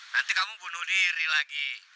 nanti kamu bunuh diri lagi